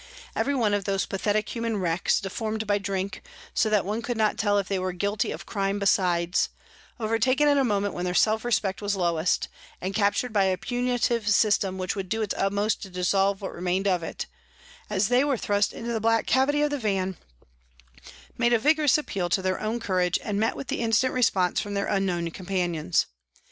Every one of those pathetic human wrecks, deformed by drink, so that one could not tell if they were guilty of crime besides, overtaken at a moment when their self respect was lowest, and captured by a punitive system which would do its utmost to dissolve 254 PRISONS AND PRISONERS what remained of it, as they were thrust into the black cavity of the van, made a vigorous appeal to their own courage and met with instant response from their unknown companions.